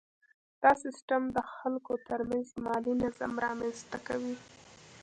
دا سیستم د خلکو ترمنځ مالي نظم رامنځته کوي.